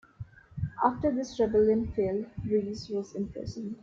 After this rebellion failed, Reyes was imprisoned.